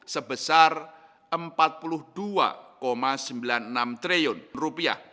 dua ribu dua puluh sebesar rp empat puluh dua sembilan ratus enam puluh tiga